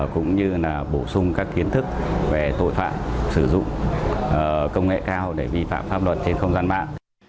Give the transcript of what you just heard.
cũng như là bổ sung các kiến thức về tội phạm sử dụng công nghệ cao để vi phạm pháp luật trên không gian mạng